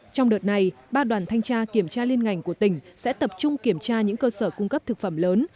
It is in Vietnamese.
trong đợt này ba đoàn thanh tra kiểm tra liên ngành của tỉnh sẽ tập trung kiểm tra những cơ sở cung cấp thực phẩm lớn